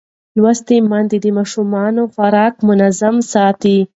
لوستې میندې د ماشوم خوراک منظم ساتي.